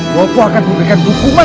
bopo akan memberikan hukuman